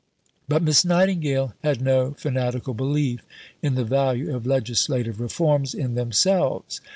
But Miss Nightingale had no fanatical belief in the value of legislative reforms in themselves.